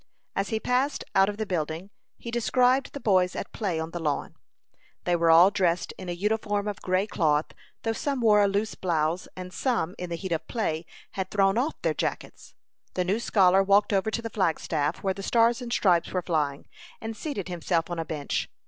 As he passed out of the building he descried the boys at play on the lawn. They were all dressed in a uniform of gray cloth, though some wore a loose blouse, and some, in the heat of play, had thrown off their jackets. The new scholar walked over to the flagstaff, where the stars and stripes were flying, and seated himself on a bench.